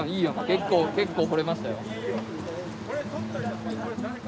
結構結構掘れましたよ。